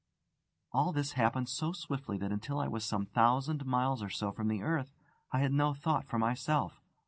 All this had happened so swiftly that until I was some thousand miles or so from the earth I had no thought for myself.